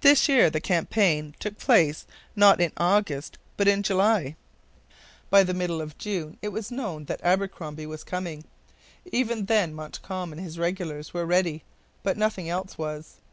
This year the campaign took place not in August but in July. By the middle of June it was known that Abercromby was coming. Even then Montcalm and his regulars were ready, but nothing else was.